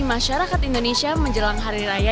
masyarakat indonesia menjelang hari raya